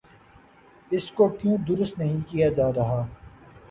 اس کو کیوں درست نہیں کیا جا رہا؟